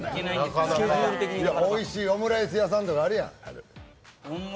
おいしいオムライス屋さんとかあるやん。